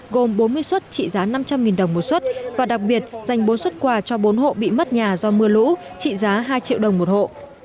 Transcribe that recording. gồm bốn mươi suất trị giá năm trăm linh đồng một xuất và đặc biệt dành bốn xuất quà cho bốn hộ bị mất nhà do mưa lũ trị giá hai triệu đồng một hộ